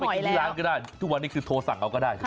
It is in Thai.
ไม่ต้องไปกินที่ร้านก็ได้ทุกวันอีกสิทธิ์โทรสั่งเราก็ได้